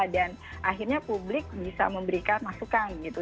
dan akhirnya publik bisa memberikan masukan gitu